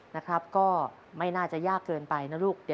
นะครับก็ไม่น่าจะยากเกินไปนะลูก